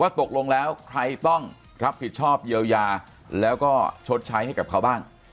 ตกลงแล้วใครต้องรับผิดชอบเยียวยาแล้วก็ชดใช้ให้กับเขาบ้าง